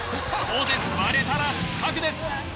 当然割れたら失格です